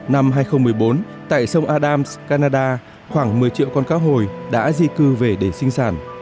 năm hai nghìn một mươi bốn tại sông adams canada khoảng một mươi triệu con cá hồi đã di cư về để sinh sản